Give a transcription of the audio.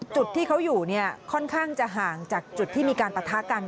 จุดที่เขาอยู่เนี่ยค่อนข้างจะห่างจากจุดที่มีการปะทะกัน